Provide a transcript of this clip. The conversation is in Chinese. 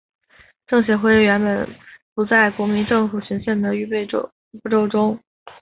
政协会议原本不在国民政府行宪的预备步骤中。